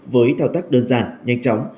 với thao tác đơn giản nhanh chóng